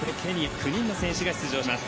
９人の選手が出場します。